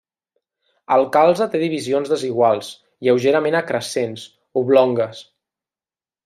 El calze té divisions desiguals, lleugerament acrescents, oblongues.